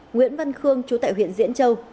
nguyễn văn khương trú tại huyện diễn châu